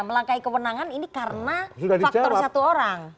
melangkai kewenangan ini karena faktor satu orang